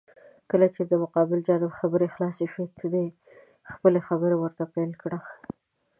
کله چې د مقابل جانب خبرې خلاسې شوې، ته دې خپله خبره ورته پېل کړه.